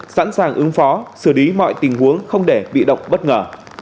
sẵn sàng ứng phó xử lý mọi tình huống không để bị động bất ngờ